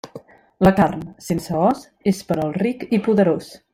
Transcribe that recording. La carn sense os és per al ric i poderós.